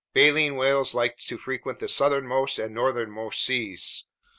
Baleen whales like to frequent the southernmost and northernmost seas.